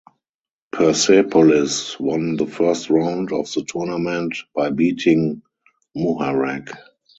Persepolis won the first round of the tournament by beating Muharraq.